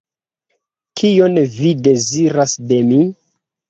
Kion Vi deziras de mi?